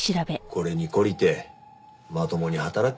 これに懲りてまともに働けよ。